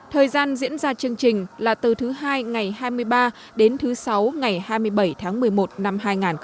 thời gian diễn ra chương trình là từ thứ hai ngày hai mươi ba đến thứ sáu ngày hai mươi bảy tháng một mươi một năm hai nghìn hai mươi